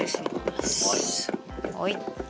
はい。